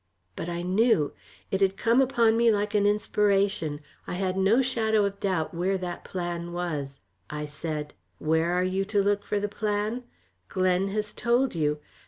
But I knew! It had come upon me like an inspiration, I had no shadow of doubt where that plan was. I said: "Where are you to look for the plan? Glen has told you.